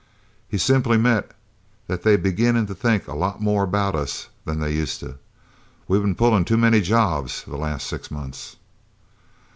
"He simply meant that they're beginnin' to think a lot more about us than they used to. We've been pullin' too many jobs the last six months."